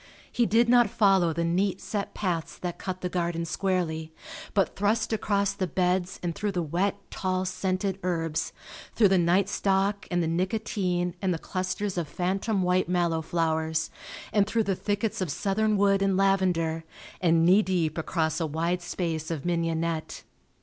He did not follow the neat set paths that cut the garden squarely, but thrust across the beds and through the wet, tall, scented herbs, through the night stock and the nicotine and the clusters of phantom white mallow flowers and through the thickets of southern wood and lavender, and knee deep across a wide space of mignonette.